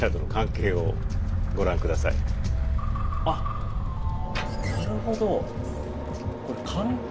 よくあっなるほど。